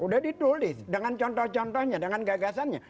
udah ditulis dengan contoh contohnya dengan gagasannya